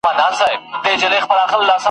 د خُم له وچو شونډو محتسب دی باج اخیستی !.